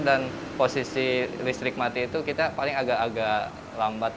dan posisi listrik mati itu kita paling agak agak lambat